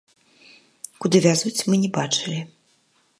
Куды вязуць, мы не бачылі.